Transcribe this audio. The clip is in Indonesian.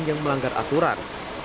yang melanggar aturan